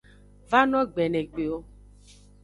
Vano gbenegbe o.